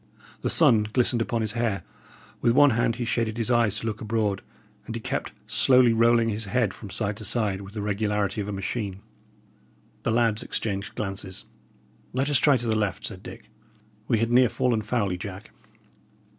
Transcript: The sun glistened upon his hair; with one hand he shaded his eyes to look abroad, and he kept slowly rolling his head from side to side, with the regularity of a machine. The lads exchanged glances. "Let us try to the left," said Dick. "We had near fallen foully, Jack."